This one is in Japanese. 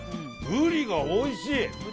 ブリがおいしい。